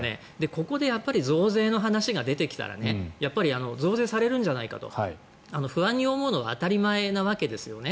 ここで増税の話が出てきたら増税されるんじゃないかと不安に思うのは当たり前なわけですよね。